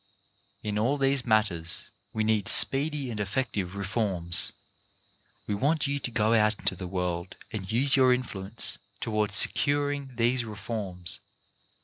In all these matters we need speedy and effec tive reforms . We want you to go out into the world and use your influence toward securing these re forms.